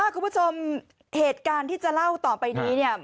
คุณผู้ชมเหตุการณ์ที่จะเล่าต่อไปนี้เนี่ย